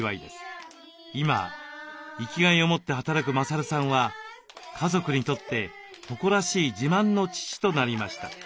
今生きがいを持って働く勝さんは家族にとって誇らしい自慢の父となりました。